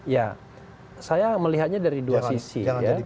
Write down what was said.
ya saya melihatnya dari dua sisi